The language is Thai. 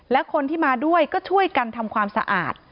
และคนที่มาด้วยก็ช่วยกันทำความสะอาด